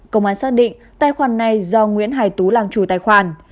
công an xác định tài khoản này do nguyễn hải tú làm chủ tài khoản